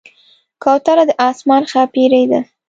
کوتره د آسمان ښاپېرۍ ده.